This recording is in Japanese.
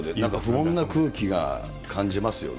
不穏な空気が感じますよね。